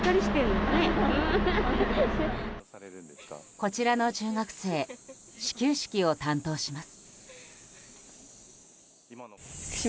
こちらの中学生始球式を担当します。